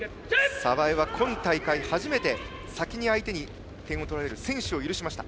澤江は今大会初めて先に相手に点を取られる先取を許しました。